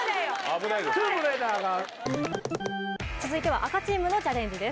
続いては赤チームのチャレンジです。